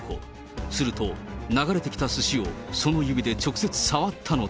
すると、流れてきたすしを、その指で直接触ったのだ。